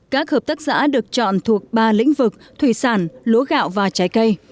các hợp tác xã được chọn thuộc ba lĩnh vực thủy sản lúa gạo và trái cây